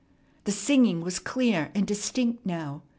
The singing was clear and distinct now.